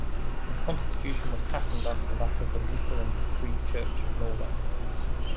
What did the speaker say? Its Constitution was patterned after that of the Lutheran Free Church of Norway.